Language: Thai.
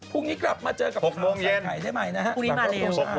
พรุ่งนี้กลับมาเจอกับพวกเราใส่ไข่ให้ใหม่นะครับพรุ่งนี้มาเร็ว